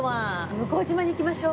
向島に行きましょう。